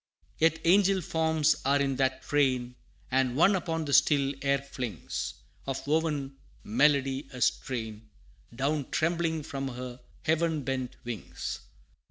Yet angel forms are in that train, And One upon the still air flings, Of woven melody, a strain, Down trembling from Her heaven bent wings.